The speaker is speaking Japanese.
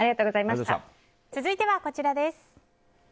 続いてはこちらです。